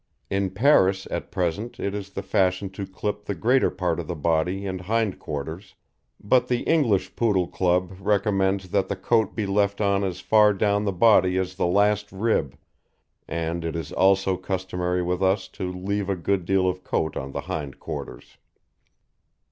In Paris at present it is the fashion to clip the greater part of the body and hind quarters, but the English Poodle Club recommends that the coat be left on as far down the body as the last rib, and it is also customary with us to leave a good deal of coat on the hind quarters.